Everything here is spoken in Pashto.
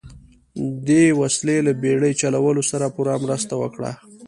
دې وسیلې له بیړۍ چلولو سره پوره مرسته وکړه.